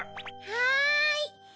はい。